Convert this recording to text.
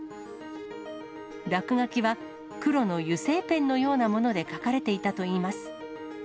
落書きは黒の油性ペンのようなもので書かれていたといいます。